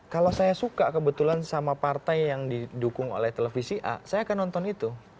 kalau saya suka kebetulan sama partai yang didukung oleh televisi a saya akan nonton itu